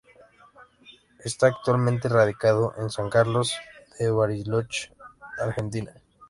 Está actualmente radicado en San Carlos de Bariloche, Argentina.